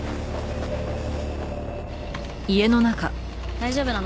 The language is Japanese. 大丈夫なの？